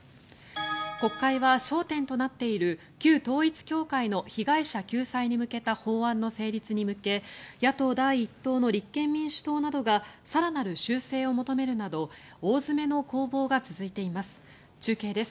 国会は焦点となっている旧統一教会の被害者救済に向けた法案の成立に向け野党第１党の立憲民主党などが更なる修正を求めるなど大詰めの攻防が続いています。